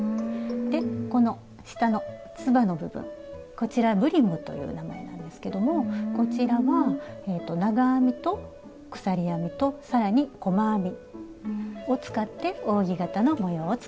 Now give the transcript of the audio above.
でこの下のつばの部分こちら「ブリム」という名前なんですけどもこちらは長編みと鎖編みと更に細編みを使って扇形の模様を作ってます。